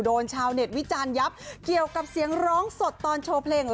ชาวเน็ตวิจารณ์ยับเกี่ยวกับเสียงร้องสดตอนโชว์เพลง